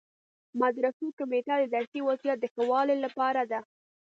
مدرسو کمیټه د درسي وضعیت د ښه والي لپاره ده.